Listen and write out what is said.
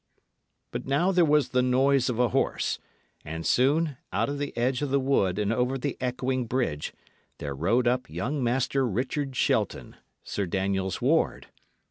But now there was the noise of a horse; and soon, out of the edge of the wood and over the echoing bridge, there rode up young Master Richard Shelton, Sir Daniel's ward.